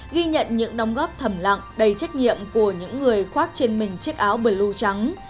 ghi nhận những đóng góp thầm lặng đầy trách nhiệm của những người khoác trên mình chiếc áo bờ lũ trắng